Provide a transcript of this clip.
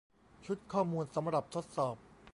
ชุดข้อมูลสำหรับทดสอบ